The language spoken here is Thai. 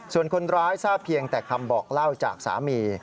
ส่วนคนร้ายทราบเพียงแต่คำบอกเล่าจากสามี